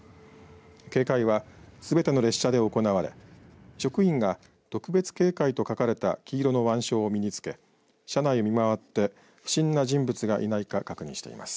警戒はすべての列車で行われ職員が特別警戒と書かれた黄色の腕章を身につけ車内を見回って、不審な人物がいないか確認しています。